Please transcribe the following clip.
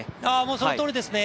そのとおりですね。